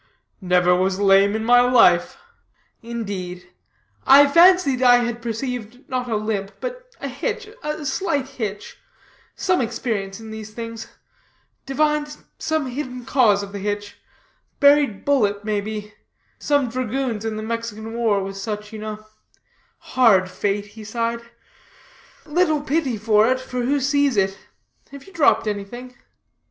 "Never was lame in my life." "Indeed? I fancied I had perceived not a limp, but a hitch, a slight hitch; some experience in these things divined some hidden cause of the hitch buried bullet, may be some dragoons in the Mexican war discharged with such, you know. Hard fate!" he sighed, "little pity for it, for who sees it? have you dropped anything?"